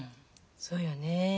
そうよね。